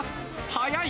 速い！